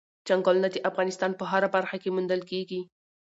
چنګلونه د افغانستان په هره برخه کې موندل کېږي.